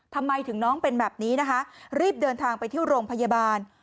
ทำไมถึงน้องเป็นแบบนี้นะคะรีบเดินทางไปที่โรงพยาบาล